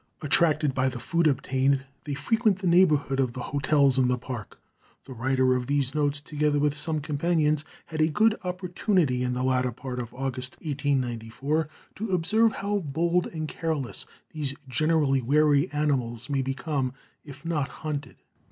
Attracted by the food obtained, they frequent the neighborhood of the hotels in the Park. The writer of these notes, together with some companions, had a good opportunity, in the latter part of August, 1894, to observe how bold and careless these generally wary animals may become if not hunted.